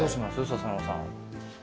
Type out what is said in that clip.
笹野さん。